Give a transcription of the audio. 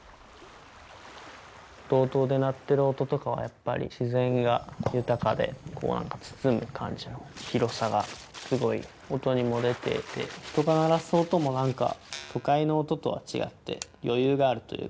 道東で鳴ってる音とかはやっぱり自然が豊かで何か包む感じの広さがすごい音にも出ていて人が鳴らす音も何か都会の音とは違って余裕があるというか。